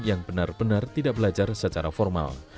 yang benar benar tidak belajar secara formal